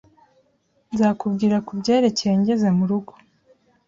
Nzakubwira kubyerekeye ngeze murugo.